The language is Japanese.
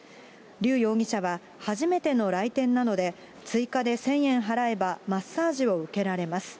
劉容疑者は初めての来店なので、追加で１０００円払えばマッサージを受けられます。